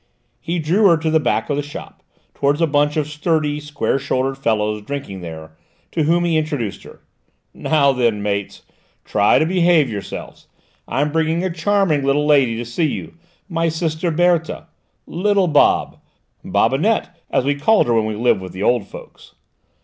He drew her to the back of the shop, towards a bunch of sturdy, square shouldered fellows drinking there, to whom he introduced her. "Now then, mates, try to behave yourselves; I'm bringing a charming young lady to see you, my sister Berthe, little Bob Bobinette, as we called her when we lived with the old folks."